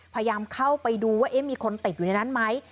พยายามเข้าไปดูว่ามีคนติดอยู่ในนั้นไหม